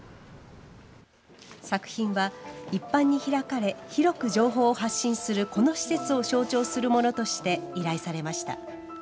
作品は一般に開かれ広く情報を発信するこの施設を象徴するものとして依頼されました。